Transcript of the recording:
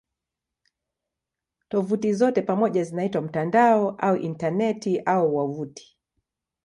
Tovuti zote pamoja zinaitwa "mtandao" au "Intaneti" au "wavuti".